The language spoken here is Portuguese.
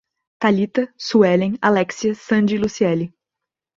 Thalita, Suellen, Alexia, Sandy e Luciele